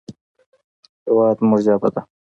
هېواد زموږ ژبه ده